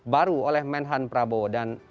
baru oleh menhan prabowo dan